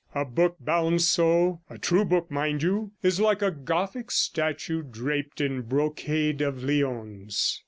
A book bound so a true book, mind you is like a Gothic statue draped in brocade of Lyons.'